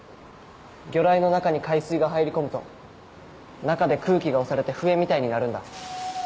魚雷の中に海水が入り込むと中で空気が押されて笛みたいに鳴るんだ。